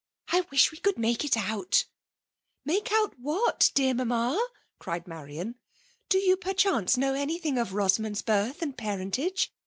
I wish we could make it out,'* " Malce out vhat, dear Mamma?'' ciied Marian. " Do you, perchance, know any thing of Rosamond's birth and parentage